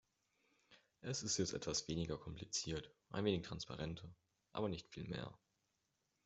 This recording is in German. Es ist jetzt etwas weniger kompliziert, ein wenig transparenter, aber nicht viel mehr.